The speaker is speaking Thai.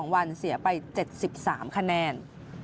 ๒วันเสียไป๗๓คะแนน